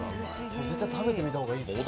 絶対食べてみた方がいいです。